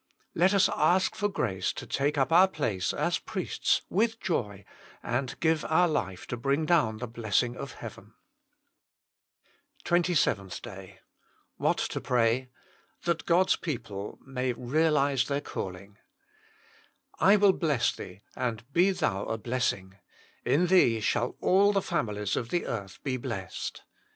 Let us ask for grace to take up our place as priests with joy, and give our life to bring down the blessing of heaven. SPECIAL PETITIONS THE MINISTRY OF INTERCESSION TWENTY SEVENTH DAY WHAT TO PRAY. hat (Sail s |Je0ple man Healtse tljeir Calling " I will bless thee ; and be thon a blessing ://? thee shall all the families of the earth be blessed."